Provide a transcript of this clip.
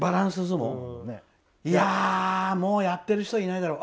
いや、もうやってる人いないだろ。